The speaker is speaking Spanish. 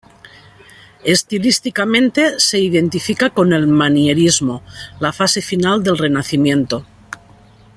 Estilísticamente, se identifica con el Manierismo, la fase final del Renacimiento.